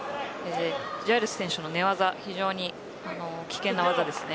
ジャイルス選手の寝技は非常に危険な技です。